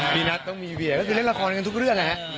มีนัทต้องมีเวียก็คือเล่นละครกันทุกเรื่องนะฮะ